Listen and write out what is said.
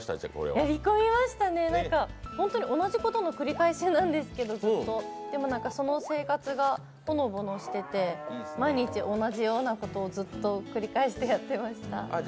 やりこみましたね、同じことの繰り返しなんですけど、でも、その生活がほのぼのしてて、毎日同じようなことをずっと繰り返してやってました。